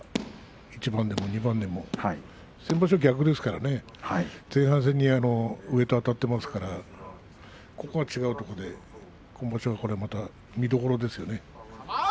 １番でも２番でも先場所は逆でしたからね前半戦に上とあたっていますからここは違うところで今場所、見どころですね。